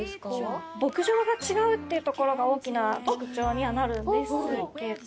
牧場が違うっていうところが大きな特徴にはなるんですけど。